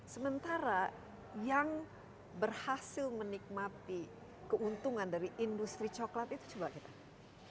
sementara yang berhasil menikmati keuntungan dari industri coklat itu coba kita